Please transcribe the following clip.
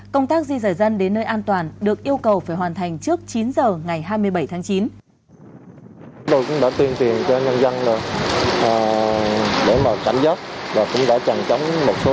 công tác di rời dân đến nơi an toàn được yêu cầu phải hoàn thành trước chín giờ ngày hai mươi bảy tháng chín